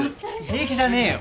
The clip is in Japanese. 平気じゃねえよ。